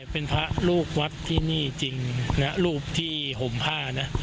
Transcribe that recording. เป็นพระลูกวัดที่นี่จริงนะรูปที่ห่มผ้านะ